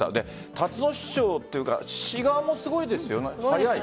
たつの市長というか市側もすごいですよね。